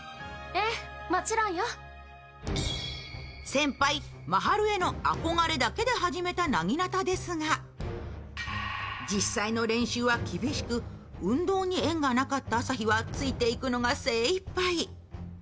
先輩・真春への憧れだけで始めたなぎなた部ですが実際の練習は厳しく運動に縁がなかった旭はついていくのが精いっぱい。